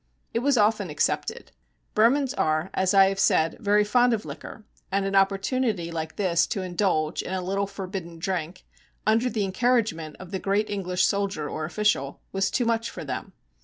It was often accepted. Burmans are, as I have said, very fond of liquor, and an opportunity like this to indulge in a little forbidden drink, under the encouragement of the great English soldier or official, was too much for them.